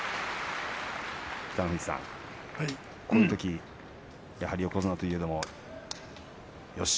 北の富士さん、このときやはり横綱というのはよし！